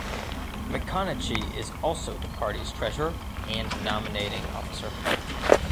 McConnachie is also the party's treasurer and nominating officer.